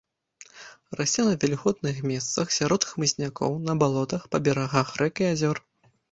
Расце на вільготных месцах, сярод хмызнякоў, на балотах, па берагах рэк і азёр.